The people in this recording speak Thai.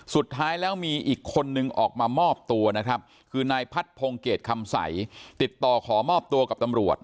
สุดท้ายแล้วมีอีกคนนึงออกมามอบตัวนะครับคือนายพัดพงเกตคำใสติดต่อขอมอบตัวกับตำรวจ